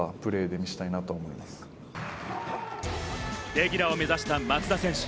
レギュラーを目指した松田選手。